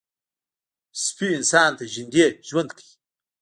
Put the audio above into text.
سپي انسان ته نږدې ژوند کوي.